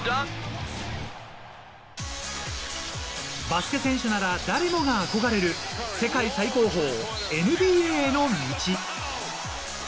バスケ選手なら誰もが憧れる世界最高峰、ＮＢＡへの道。